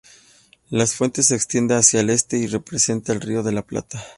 La fuente se extiende hacia el este, y representa al Río de la Plata.